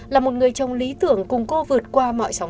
là một người chồng lý tưởng cùng cô vừa